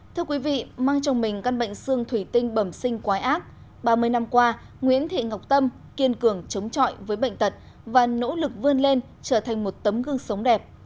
thưa quý vị mang trong mình căn bệnh xương thủy tinh bẩm sinh quái ác ba mươi năm qua nguyễn thị ngọc tâm kiên cường chống chọi với bệnh tật và nỗ lực vươn lên trở thành một tấm gương sống đẹp